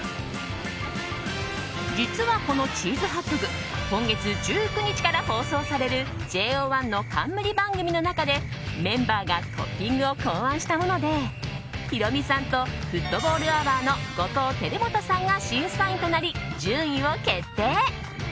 実は、このチーズハットグ今月１９日から放送されるＪＯ１の冠番組の中でメンバーがトッピングを考案したものでヒロミさんとフットボールアワーの後藤輝基さんが審査員となり、順位を決定。